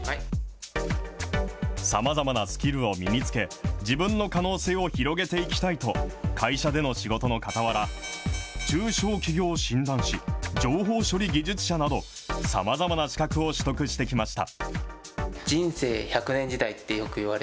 さまざまなスキルを身につけ、自分の可能性を広げていきたいと、会社での仕事のかたわら、中小企業診断士、情報処理技術者など、さまざまな資格を取得してきました。